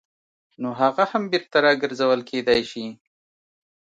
نو هغه هم بېرته راګرځول کېدای شي.